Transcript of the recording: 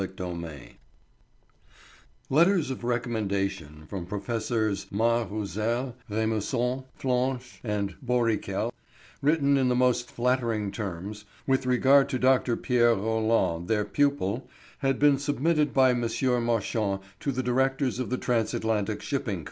CHAPTER IX Letters of recommendation from Professors Mas Roussel, Rémusot, Flache, and Borriquel, written in the most flattering terms with regard to Dr. Pierre Roland, their pupil, had been submitted by M. Marchand to the directors of the Transatlantic Shipping Co.